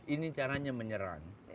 ini caranya menyerang